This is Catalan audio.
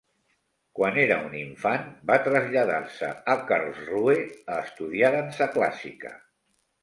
Quan era un infant va traslladar-se a Karlsruhe a estudiar dansa clàssica.